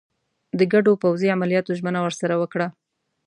د ګډو پوځي عملیاتو ژمنه ورسره وکړه.